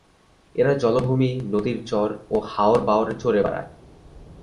এরা জলাভূমি, নদীর চর ও হাওর বাঁওড়ে চরে বেড়ায়।